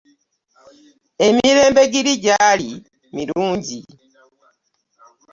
Emirembe giri gyali mirungi.